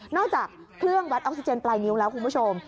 จากเครื่องวัดออกซิเจนปลายนิ้วแล้วคุณผู้ชม